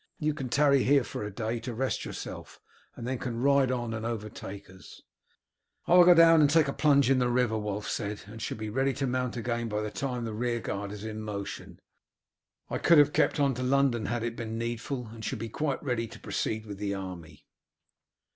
You can tarry here for a day to rest yourself, and can then ride on and overtake us." "I will go down and take a plunge in the river," Wulf said, "and shall be ready to mount again by the time that the rearguard is in motion. I could have kept on to London had it been needful, and shall be quite ready to proceed with the army."